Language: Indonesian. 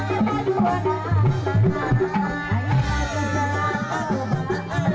ya udah sampai ini